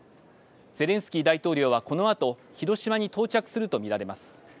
ゼレンスキー大統領はこのあと広島に到着すると見られます。